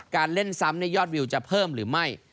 เล่นซ้ำยอดวิวจะเพิ่มหรือไม่